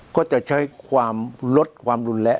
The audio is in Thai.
ก็จะใช้ความลดความรุนแรง